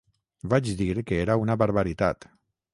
Vaig dir que era una barbaritat.